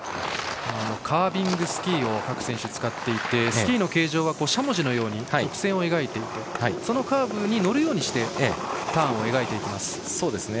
カービングスキーを各選手、使っていてスキーの形状がしゃもじのように曲線を描いていてそのカーブに乗るようにしてターンを描いていきます。